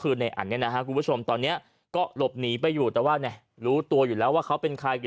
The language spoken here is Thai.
คือในอันเนี่ยนะฮะคุณผู้ชมตอนนี้ก็หลบหนีไปอยู่แต่ว่าเนี่ยรู้ตัวอยู่แล้วว่าเขาเป็นใคร